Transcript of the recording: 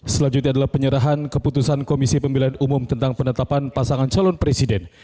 selanjutnya adalah penyerahan keputusan komisi pemilihan umum tentang penetapan pasangan calon presiden